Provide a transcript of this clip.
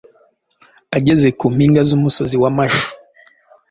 ageze ku mpinga zumusozi wa Mashu